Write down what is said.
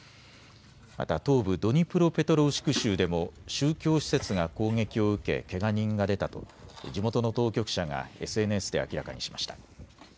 また東部ドニプロペトロウシク州でも宗教施設が攻撃を受けけが人が出たと地元の当局者がＳＮＳで明らかにしました。